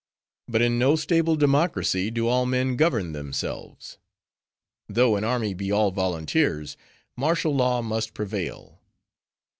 But in no stable democracy do all men govern themselves. Though an army be all volunteers, martial law must prevail.